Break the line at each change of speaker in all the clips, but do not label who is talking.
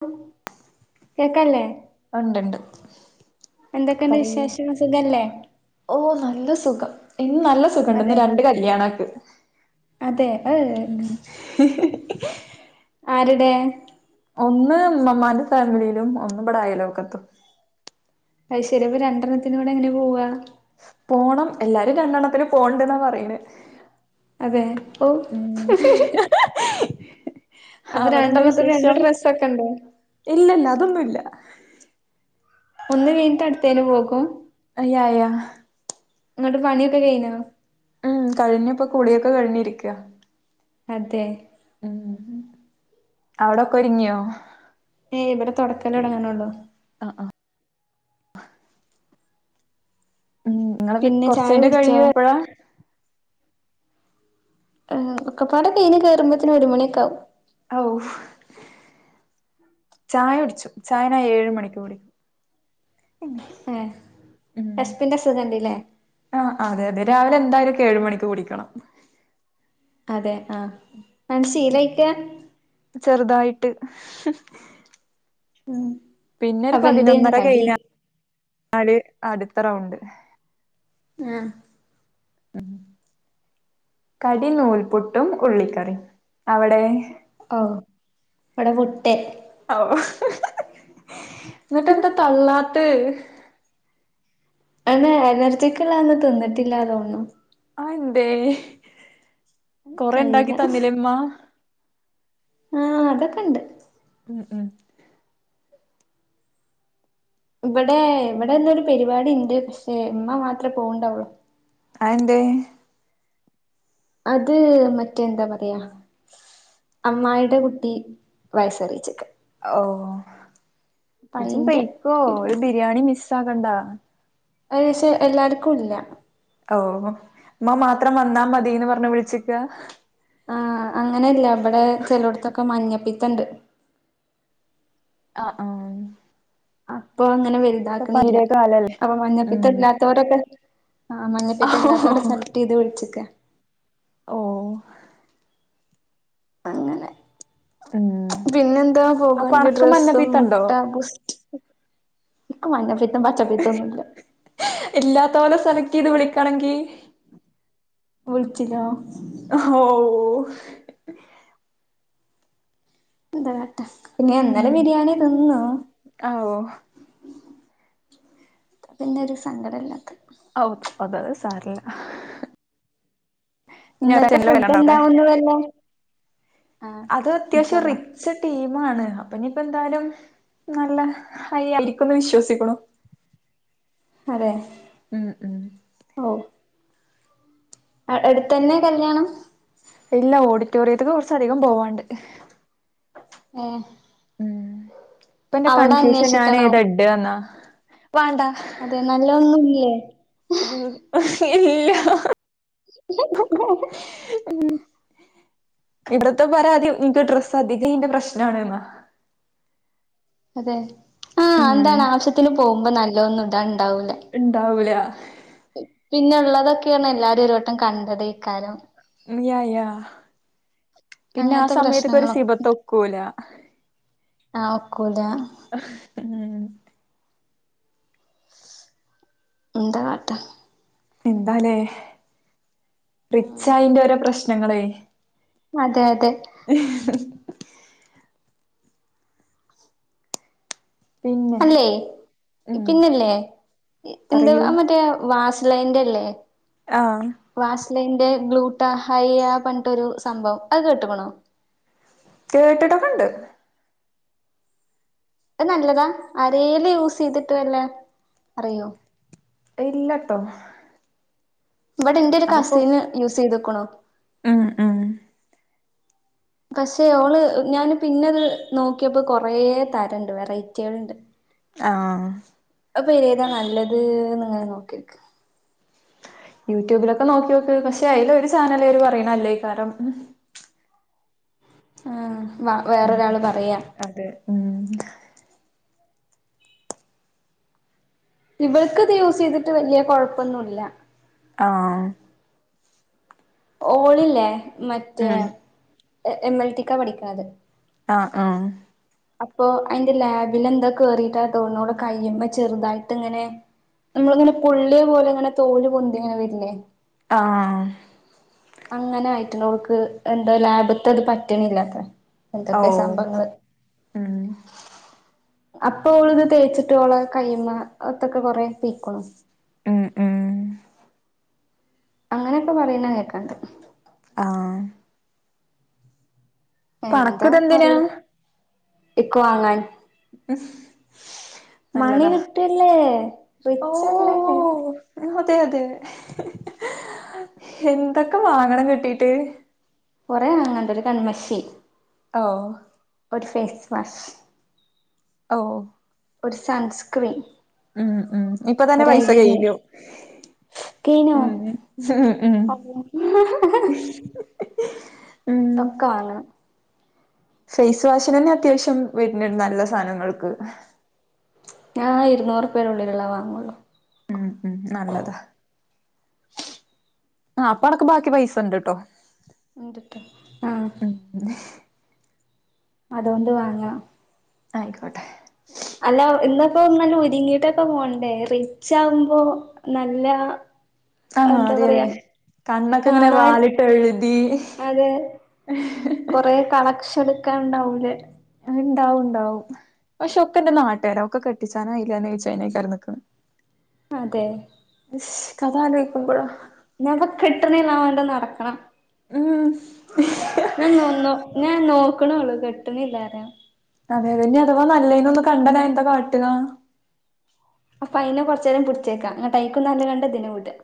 ഹും കേക്കാല്ലേ.
ആ ഉണ്ട് ഉണ്ട്
എന്തൊക്കെയുണ്ട് വിശേഷം സുഖല്ലേ.
ഓ നല്ല സുഖം ഇന്ന് നല്ല സുഖം ഇണ്ട് ഇന്ന്
അതെ
രണ്ട് കല്യാണൊക്ക്.
അതെ [unintelligible]
[inaudible]
ആരുടെ?
ഒന്ന് ഉമ്മമാന്റെ ഫാമിലിയിലും ഒന്ന് ഇവിടെ അയലുവക്കെത്തും.
അത് ശെരി അപ്പോ രണ്ടെണത്തിനും കൂടെ എങ്ങനെ പോവുക.
പോണം എല്ലാരും രണ്ടെണ്ണത്തിന് പോവണ്ടാന്നാ പറയിണെ
അതെ ഓ അപ്പൊ
അവിടെന്താ
രണ്ടെണ്ണത്തിന് രണ്ട്
വിശേഷം
ഡ്രസ്സൊക്കെ ഉണ്ടോ
ഇല്ലല്ല അതൊന്നുംല്ല
ഒന്ന് വീണിട്ട് അടുത്തേന് പോകും
[unintelligible]
ഇങ്ങട്ട് പണിയൊക്കെ കയ്ഞ്ഞോ
ആഹ് കഴിഞ്ഞു ഇപ്പം കുളിയൊക്കെ കഴിഞ്ഞിരിക്കയാ
അതെ
ഉം അവുടൊക്ക ഒരുങ്ങിയോ
ഏയ് ഇവിടെ തൊടക്കല് തൊടങ്ങണൊള്ളു
ആഹ് ആഹ് ഉം ഇങ്ങള് പി
പിന്നെ
കൊറച്ച്
ചായ
കയ്ഞ്ഞ്ട്ടെ
കുടിച്ചോ
കഴിയൂ എപ്പഴാ
ഏ ഒക്കപ്പാടെ കയ്ഞ്ഞ് കേറുമ്പോത്ത്ന് ഒരു മണിയൊക്കാവും
ആവൂ ചായ കുടിച്ചു ചായ ഞാൻ ഏഴ് മണിക്ക് കുടിക്കും
ഏ
ഉം
എസ് [unintelligible] പിൻ്റെ അസുഖണ്ട് ഇല്ലേ
ആഹ് അതെ അതെ രാവിലെ എന്തായാലും ഇൻക് ഏഴുമണിക്ക് കുടിക്കണം
അതെ ആഹ് അതാണ്ട്
പിന്നെ
ശീലായ്ട്ടാ
ചെറുതായിട്ട്
ഉം
പിന്നൊരു
അപ്പൊ എന്തേന്നു
പതിനൊന്നര
കടി
കഴിഞ്ഞാല് അടുത്ത റൗണ്ട്
ആഹ്
ഉം കടി നൂൽപുട്ടും ഉള്ളിക്കറി അവിടേ
ഓ ഇവടെ പുട്ട്
ഓ എന്നിട്ട് എന്താ തള്ളാത്തെ
അയ്ന് എനർജിക്ക്ള്ളന്ന് തിന്നിട്ടില്ലാതോന്നു.
അയെന്തേ
ഇൻക്കറീല
കൊറേണ്ടാക്കി തന്നിലേ ഇമ്മ?
ആഹ് അതൊക്കെണ്ട്.
ഉം ഉം.
ഇവടെ ഇവിടെന്നൊരു പരിപാടി ഇണ്ട് പക്ഷേ ഇമ്മ മാത്രേ പോവ്ണ്ടാവൊള്ളൂ.
അതെന്തേ?
അത് മറ്റേ എന്താ പറയാ അമ്മായിടെ കുട്ടി വയസ്സറീച്ചക്ക.
ഓഹ് ജജ്ജും
അയിന്റെ
പൈക്കോ ഒരു
പരിപാടി
ബിര്യാണി മിസ്സാകണ്ടാ.
അത് പക്ഷെ എല്ലാർക്കുല്ല.
അവൂ ഉമ്മ മാത്രം വന്നാ മതീന്ന് പർഞ്ഞ് വിൾച്ച്ക്ക.
ആഹ് അങ്ങനല്ല ഇവടെ ചെലോട്ത്തൊക്കെ മഞ്ഞപ്പിത്തണ്ട്.
ആഹ് ആഹ്.
അപ്പോ അങ്ങനെ
ഇപ്പൊ
വൽതാക്ക്ണില്ല
പനിയുടെ കാലല്ലേ
അപ്പം
ഉം
മഞ്ഞപ്പിത്തെല്ലാ ത്തോരൊക്കെ ആഹ് മഞ്ഞപ്പിത്തം ഇല്ലാത്തോരൊ സെലക്ട് ചെയ്ത് വിൾച്ചക്കാ.
ഓഹ്.
അങ്ങനെ
ഉം
പിന്നെന്താ
അപ്പൊ
പോകാണെങ്കി
അണക്ക്
ഡ്രസ്സും
മഞ്ഞപ്പീത്തണ്ടോ
മുട്ട ബൂസ്റ്റ്. ഇൻക്ക് മഞ്ഞപ്പിത്തം പച്ചപ്പിത്തൊന്നും ഇല്ല.
ഇല്ലാത്തോലെ സെലക്ട് ചെയ്ത് വിളിക്കണെങ്കി
വിൾച്ചിലോ
ഹോ
എന്താട്ടെ പിന്നെ ഇന്നലെ ബിരിയാണി തിന്നു.
ഓഹ്.
പിന്നെ ഒരു സങ്കടം ഇല്ലാത്തെ.
ഔ അതര സാരല്ല. ഇനി
ഇന്നത്തെ
ഒരച്ഛന്റെ
ഫുഡ്
കയ്യിലുണ്ടോ അവിടെ
എന്താവുന്നു വല്ലേ
അത് അത്യാവശ്യം റി ച്ച് ടീമാണ് അപ്പൊ ഇനിപ്പോ എന്തായാലും നല്ല ഹയ്യായിരിക്കുന്ന് വിശ്വസിക്ക്ണു.
അതേ.
ഉം ഉം
ആഹ് അട്ത്തന്നെ കല്ല്യാണം?
ഇല്ലാ ഓഡിറ്റോറിയത്ത്ക്ക് കൊർച്ച അധികം പോവാണ്ട്.
ഏഹ്.
ഉം ഇപ്പന്റെ
അവിടെ
കൺഫ്യൂഷൻ
അന്വേഷിക്കണോ
ഞാനേതാ ഇണ്ടാന്നാ വാണ്ടാ.
അതെ നല്ല ഒന്നും ഇല്ല്യേ?
ഉം ഇല്ല്യ.
[inaudible]
ഉം ഇവട്ത്തെ പരാതി ഇൻക്ക് ഡ്രസ് അധിക്കയ്ന്റെ പ്രശ്നാണ്ന്നാ.
അതെ ആഹ്
ഉം
എന്താണ് ആവശ്യത്തിന് പോവുമ്പോ നല്ലോന്നും ഇണ്ടാ ഇണ്ടാവൂല.
ഇണ്ടാവൂല.
പിന്നെള്ളതൊക്കേർഞ്ഞാ എല്ലാരും ഒരു വട്ടം കണ്ടതയ്ക്കാരം.
യാ യാ പിന്നെ
അങ്ങനത്തെ
ആഹ് സമയത്തൊര്
പ്രശ്നങ്ങളൊക്കെ
സിബത്ത്
ഉണ്ട്
ഒക്കൂല.
ആഹ് ഒക്കൂല.
ഉം ഉം.
എന്ത കാട്ടാ?
എന്താലേ റിച്ചയിന്റെ ഓരോ പ്രശ്നങ്ങളേ
അതെ അതെ
ഏ പിന്നെ
അല്ലേ
ഉം
പിന്നല്ലേ എന്ത
പറയൂ
മറ്റേ വാസ് - - ലൈൻന്റെ അല്ലേ
ആഹ്
വാസ്ലൈന്റെ ഗ്ലൂട്ട ഹൈ ആ പറഞ്ഞിട്ടൊരു സംഭവം അത് കേട്ടക്കണോ
കേട്ടിട്ടൊക്കെണ്ട്
അത് നല്ലതാ അരേൽ യൂസ് ചെയ്തിട്ട് വല്ല അറിയോ
ഇല്ലട്ടോ
ഇവിടെ എന്റെറെ ഒരു
അതിപ്പോ
കസീന്ന് യൂസ് ചെയ്തക്കണു
ഉം ഉം
പക്ഷെ ഓള് ഞാന് പിന്നെത് നോക്കിയപ്പോ കൊറേ തരംഉണ്ട് വെറൈറ്റികൾ ഉണ്ട് [inaudible]
ആഹ്
അപ്പൊ ഏതാ നല്ലത് നിങ്ങൾ നോക്കിരിക്ക്
യൂട്യൂബിലൊക്കെ നോക്കി നോക്ക് പക്ഷെ അതില് ഒരു ചാനല്കാര് പറയണ അല്ലേ കാ രം
ആഹ് വ വേറൊരാൾ പറയാ
അതെ ഉം
ഇവൾക്കത് യൂസ് ചെയ്തിട്ട് വലിയ കുഴപ്പൊന്നുല്ല
ആഹ്
ഓളില്ലേ മറ്റേ
ഉം
എം എൽ റ്റി ക്കാ പഠിക്കണത്
ആഹ് ആഹ്
അപ്പൊ അതിന്റെ ലാബിൽ എന്തോ കേറിയിട്ടാ തോന്നൂ അവളുടെ കയ്യുമ്മെ ചെറുതായിട്ട് ഇങ്ങനെ നമ്മളിങ്ങനെ പൊള്ളിയ പോലെ ഇങ്ങനെ തോല് പൊന്തിങ്ങനെ വരില്ലേ
ആഹ്
അങ്ങനെയായിട്ട് നമക്ക് എന്താ ലാഭത്ത്ത് പറ്റണില്ലാത്രെ
ഓ
എന്തൊക്കെ സംഭങ്ങള്
ഉം
അപ്പോ ഓള് ഇത് തേച്ചിട്ട് ഓള് കയ്യ്മ ഒത്തൊക്കെ കൊറെപീക്കണു
ഉം ഉം
അങ്ങനെയൊക്കെ പറയുന്ന കേക്കണ്ട്
ആഹ് പ്പഅണക്ഇതെന്തിനാ
ഇക്ക്‌വാങ്ങാൻ മണി
നല്ലതാ
കിട്ടിയല്ലേ റിച്ചല്ലേ
ഓഹ് അതെ അതെ എന്തൊക്കെ വാങ്ങണം കിട്ടീട്ട്
കുറേ വാങ്ങാണ്ട് ഒരു കൺമഷി
ഓഹ്
ഒരു ഫേസ് വാഷ്
ഓഹ്
ഒരു സൺസ്ക്രീൻ
ഉം ഉം ഇപ്പൊ തന്നെ
ഒരു
പൈസ
ഐലീന്
കയ്ഞ്ഞു
സ്കിനോ
ഉം ഉം ഉം ഉം
ഒക്ക വാങ്ങണം
ഫേസ് വാഷനന്നെ അത്യാവശ്യം വര്ന്ണ്ട് നല്ല സാധനങ്ങൾക്ക്
ഞാ ഇരുന്നൂരൂപയേന്റെ ഉള്ളില്ള്ളതേ വാങ്ങോള്ളൂ
ഉം ഉം നല്ലതാ അ അപ്പൊ അണക്ക് ബാക്കി പൈസ ണ്ട്ട്ടോ
ഇണ്ട്ട്ടോ ആഹ്
ഉം
അതോണ്ട് വാങ്ങാം
ആയ്ക്കോട്ടെ
അല്ല ഇന്നപ്പോ നല്ല ഒരുങ്ങിട്ടൊക്കെ പോണ്ടേ റിച്ചാകുമ്പോ നല്ല
ആഹ്
എന്താ
അതെ തെ
പറയാ
കണ്ണൊക്കെ ഇങ്ങനെ
കാണാൻ
വാലിട്ടഴുതി
അതെ കൊറെ കളക്ഷടുക്കാണ്ടാവൂലേ
ഇണ്ടാവുംണ്ടാവും പക്ഷെ ഒക്കെ ന്റെ നാട്ടേര ഒക്കക്കെട്ടിച്ചാനായ്ക്ക്‌നോ ചോയിക്കാനാക്കാരം നിക്ക്‌ണേ
അതെ
അതാലോയിക്കുമ്പോഴ
ഇന്നപ്പ കിട്ടുന്നില്ലാവണ്ട നടക്കണം
ഉം
ഞാൻ നിന്നു ഞാൻ നോക്ക്ണുള്ളു കെട്ടുന്നില്ലാര
അതെ നി അഥവാ നല്ലേ നൊന്ന് കണ്ട ഞാനെന്താ കാട്ടാ
അപ്പൊ അതിനെ കൊറച്ചേരം പിടിച്ചേക്കാം ഇന്നട്ട് അയിക്കും നല്ല കണ്ടതിന് വിടാ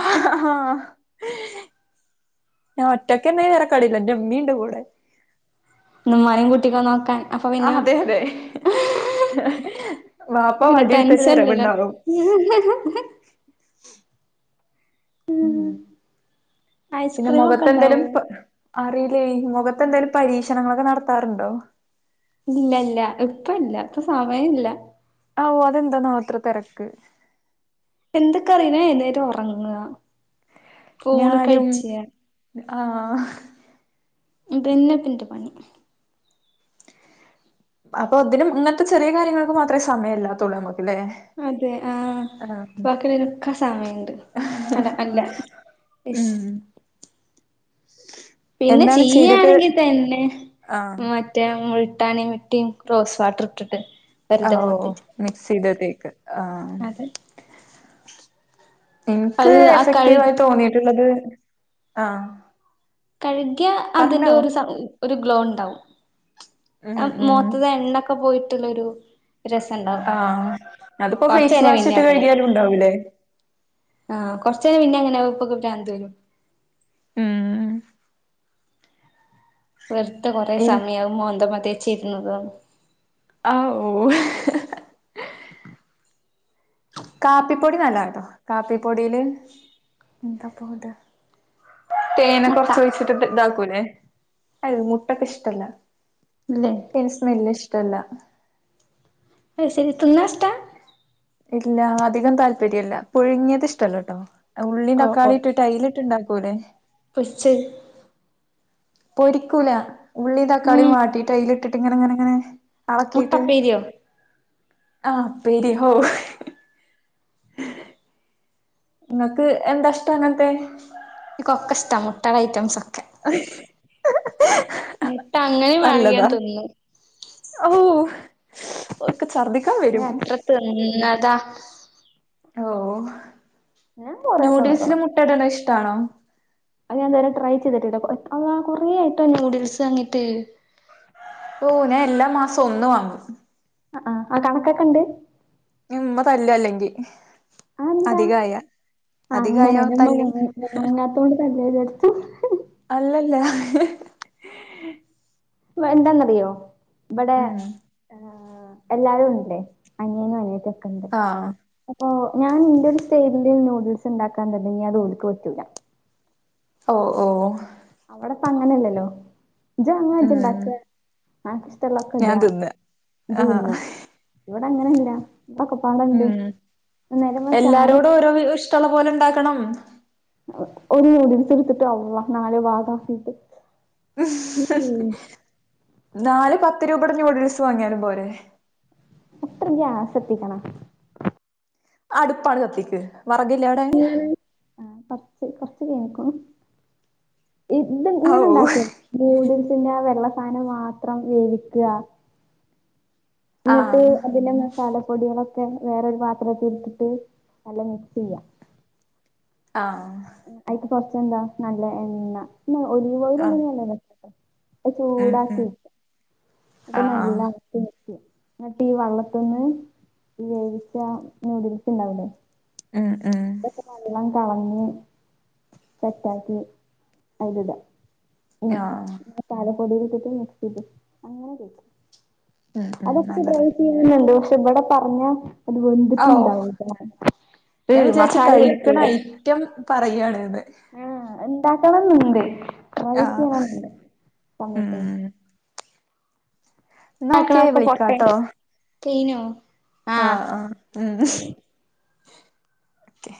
ഓക്കെ
ഞാൻ ഒറ്റക്കന്ത വേറെ കളിം ഇൻ്റെമ്മിണ്ട് കൂടെ
ഇന്നമ്മാനിം കുട്ടിക്കോ നോക്കാൻ അപ്പൊ പിന്നെ
ആഹ് അതെ തെ വാപ്പാ
പിന്നെ
വടിട്ത്തൊരു
ടെൻഷൻല്ലല്ലോ
വരവ്ണ്ടാവും ഉം പിന്നെ
ഐസ്ക്രീം ഒക്കെ
മുഖത്തെന്തേലും
ഉണ്ടാവോ
അറിയില്ലേ മുഖത്തെന്തേങ്കിലും പരീക്ഷണങ്ങളൊക്കെ നടത്താറുണ്ടോ
ഇല്ല ഇല്ല ഇപ്പല്ല ഇപ്പൊ സമയല്ല്യ
അവോ അതെന്താണാവോ ഇത്ര തെരക്ക്
എന്തക്കറീല്ല ഞാ എന്നെറ്റ് ഒറങ്ങ
ഞാനും ആഹ്
ഇതന്നെപ്പൻ്റെ പണി
അപ്പൊ ഇതിലും ഇങ്ങൻത്ത ചെറിയ കാര്യങ്ങൾക്ക് മാത്രമേ സമയംമല്ലാത്തുള്ളൂ അമ്മക്ക്‌ല്ലേ
അതെ ആഹ് ബാക്കിള്ളീനോക്കെ സമയണ്ട് അല്ല അല്ല യ്ശ്
ഉം [inaudible]
പിന്നെ
ചെയ്തിട്ട്
ചിയ്യയാണെങ്കിൽ തന്നെ
ആഹ്
മ മറ്റ മുൾട്ടാന മുൾട്ടിം റോസ് വാട്ടർ ഇട്ടിട്ട് വെറുതെ
ഓ
മോത്തേച്ച്
മിക്സ് ചെയ്ത തേക്ക ആ
അതെ
എനിക്ക്
അത് ആ കഴു
എഫക്റ്റീവ് ആയി തോന്നിട്ടുള്ളത് ആഹ്
കഴുകിയ അതിന്റെ
പറഞ്ഞോ
ഒരു ഒരു ഗ്ലോ ഉണ്ടാവും
ഉം
അ
ഉം
മൂഖത്ത് തേഎണ്ണ ഒക്കെ പോയിട്ടുള്ളരു രസണ്ടാവും
ആഹ് അതിപ്പോ ഫേസ്
കൊറച്ചയ്ന്ന
വാഷ്
പിന്ന
ഇട്ട്
അങ്ങനെ
കഴുകിയാലും ഉണ്ടാവൂലേ
ആ കൊറച്ച യ്ന്നാ പിന്നെ ഇങ്ങനെ ഉപ്പൊക്കൂട്ടിങ്ങത് വരും
ഉം
വെറുത്തെ കൊറെ
എനി
സമയവും മോന്ത മെ തിേച്ചിരുന്നുന്നത്
അ ഓ ഓ
ആ [unintelligible] [inaudible]
കാപ്പിപ്പൊടി നല്ലതാൺട്ടോ കാപ്പിപ്പൊടില് എന്താപ്പൊ ടാ തേന്
മുട്ട
കൊർച്ചൊയ്ച്ച്ട്ട് ത് ഇതാക്കൂല്ലേ അത് മുട്ട ക്ക് ഇഷ്ടല്ല
ഇല്ലെ
ൻക്കയ് സ്മെല്ലിഷ്ടല്ല
അത് ശെരി തിന്നാഷ്ട
ഇല്ല അധികം താല്പര്യല്ല പുഴുങ്യേത് ഇഷ്ടല്ലട്ടോ ഉള്ളിയും
ഓഹ്
തക്കാളീം
ഓഹ്
ട്ട്ട്ട് അയിലിട്ട്ണ്ടാക്കൂല്ലേ
പൊരിച്ചത്
പൊരിക്കൂല ഉള്ളീം തക്കാളീം
ഉം
വാട്ടീട്ട് അയ്ല്ട്ട്ട്ട് ഇങ്ങനെ ങ്ങനെ ങ്ങനെ എളക്കീട്ട്
മുട്ടപ്പേരിയോ
ആഹ് പ്പേരി ഹോ ഇങ്ങക്ക് എന്താഷ്ടം അങ്ങൻത്തെ
ഇൻക്കൊക്കെഷ്ട മുട്ടാളെ ഐറ്റംസൊക് മുട്ട അങ്ങനിം വേണെങ്കി ഞാൻ തിന്നും
അ വൂ ഓ ക്ക് ചർദി
ഞാ എത്ര തിന്നതാ
ഓ
ഞാൻ കൊറേ തിന്ന്ക്ക്ണ്
ന്യൂഡിൽസില് മുട്ടട്ണത് ഇഷ്ടാണോ
അത് ഞാനിതുവരെ ട്രൈ ചെയ്തിട്ടില്ല ആ കൊറേ ആയിട്ടോ ന്യൂഡിൽസ് വാങ്ങീട്ട്
ഓ ഞാൻ എല്ലാ മാസം ഒന്ന് വാങ്ങും
ആ ആ അ കണക്കൊക്കെ ണ്ട്
ഞ്ഞി മ്മ തല്ലും അല്ലെങ്കി
അതെന്താ
അധികായ
ആഹ്
അധികായ
അങ്ങനെ എന്റെ
തല്ലും
ഉമ്മ [unintelligible]
അല്ലല്ല
വ എന്താന്നറിയോ ഇവടെ
ഉം
ആഹ് എല്ലാരുണ്ട് അനിയനും അനിയത്തൊക്കെണ്ട്
ആഹ്
അപ്പൊ ഞാൻ ഇന്റൊരു സ്റ്റെലില് നൂഡിൽസ്ണ്ടാക്കാൻ തൊടങ്ങ്യ അത് ഓൽക്ക് പറ്റൂല്ല
ഓ ഓ
അവടെപ്പങ്ങനല്ലല്ലോ ജ ങ്ങ ജ്ജ്‌
ഉം
ണ്ടാക്ക അൻക്ക് ഇഷ്ടള്ളതൊക്കെ
ഞാൻ
ടാ
തിന്ന
ജ്
ആഹ്
തിന്നാ ഇവടെ അങ്ങനല്ല പ്പക്കെ പ്പാടണ്ട്
ഉം
ന്ന നേരെ മറിച്ച് ആരെട്ത്തും -
ഷ്ള്ള പോലെ ണ്ടാക്കണം
ഒരു ന്യൂഡിൽസ്ട്ത്ത് അല്ലാഹ് നാല് ഭാഗാക്കീട്ട്
നാല് പത്ത് രൂപേടെ ന്യൂഡിൽസ് വാങ്യാലും പോരെ
എത്ര ഗ്യാസത്തിക്കണം
അട്പ്പാണ്ട് കത്തിക്ക് വറകില്ലവടെ
ആഹ് കൊർച്ച് കൊർച്ച് കയ്ഞ്ക്കുണു ഇത്
ഔ
ഇങ്ങനെ ഉണ്ടാക്കും നൂഡിൽസിന്റെ ആ വെള്ള സാനം മാത്രം വേവിക്ക ന്ന്ട്ട്
ആഹ്
അതിലെ മസാല പൊടിയാളൊക്കെ വേറൊരു പാത്രത്തിലിട്ട്ട്ട് നല്ലം മിക്സെയ്യ
ആഹ്
അയ്ക്ക് കൊർച്ചെന്താ നല്ല എണ്ണ ന്ന ഒലീവോയില്
ആഹ്
ണ്ടെങ്കി നല്ലത അത്
ഉം ഉം
ചൂടാക്കിയൊയ്ക്യ അപ്പൊ നല്ല
ആഹ്
[unintelligible] ന്ന്ട്ടീ വള്ളത്ത്ന്ന് വേവിച്ച നൂഡിൽസ് ഇണ്ടാവില്ലെ
ആഹ് ആഹ്
ഇതൊക്കെ നല്ലം കളഞ്ഞ് സെറ്റാക്കി അതിലിട
ആഹ്.
മസാലപ്പൊടിയിൽ ഇട്ടിട്ട് മിക്സ് ചെയ്ത് അങ്ങനെ കഴിക്ക.
ഉം ഉം
അതൊക്കെ,
നല്ലതാ
[unintelligible] പക്ഷെ ഇവിടെ പറഞ്ഞാ അത്
ഓ
വെന്തിട്ടുണ്ടാവി [unintelligible]
ഞാൻ വിചാരിച്ച് കഴിക്ക്ണ ഐറ്റം പറയാണ്ന്ന്.
ആഹ്, എണ്ടാക്കണംന്ന്ണ്ട്, ട്രൈ
ആഹ്
ചെയ്യണന്നുണ്ട്. സമ
ഉം
[unintelligible]
എന്നാ ഓക്കെ
താക്കളാക്ക
വിളിക്കാട്ടോ
പൊട്ടൻസ് കഴിഞ്ഞോ?
ആഹ് ആഹ്, ഉം ഉം. ഓക്കെ.